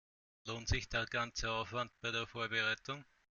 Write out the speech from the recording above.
Lohnt sich der ganze Aufwand bei der Vorbereitung?